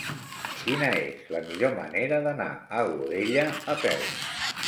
Quina és la millor manera d'anar a Godella a peu?